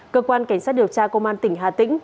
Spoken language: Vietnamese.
cơ quan cảnh sát điều tra công an tỉnh hà tĩnh